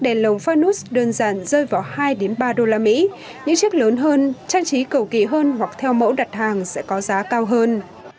đèn lồng fanus đơn giản rơi vào hai ba usd những chiếc lớn hơn trang trí cầu kỳ hơn hoặc theo mẫu đặt hàng sẽ có giá cao hơn